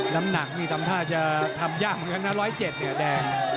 น้ำหนักมีธรรมดาจะทำยากเหมือนกันนะฟร้อย๑๐๗เนี่ยแดง